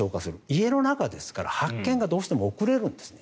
家の中ですからどうしても発見が遅れるんですね。